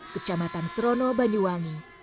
kecamatan serono banyuwangi